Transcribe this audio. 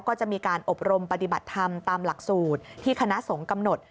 ก็จะมีการอบรมปฏิบัติธรรมตามหลักสูตรที่คณะสงฆ์กำหนด